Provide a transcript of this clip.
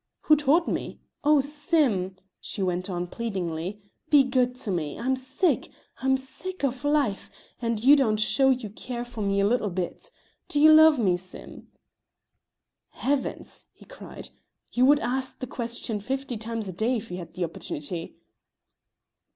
"Who taught me? Oh, Sim," she went on, pleadingly, "be good to me. I'm sick, I'm sick of life, and you don't show you care for me a little bit. Do you love me, Sim?" "Heavens!" he cried, "you would ask the question fifty times a day if you had the opportunity."